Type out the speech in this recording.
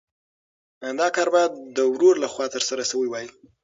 دا کار باید د ورور لخوا ترسره شوی وای.